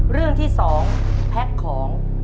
เรื่องที่๒แพ็คของ